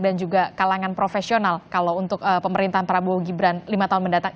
dan juga kalangan profesional kalau untuk pemerintahan prabowo gibran lima tahun mendatang